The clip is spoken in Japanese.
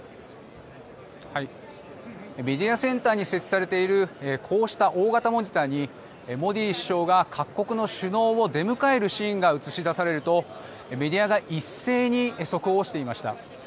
メディアセンターに設置されているこうした大型モニターにモディ首相が各国の首脳を出迎えるシーンが映し出されるとメディアが一斉に速報をしていました。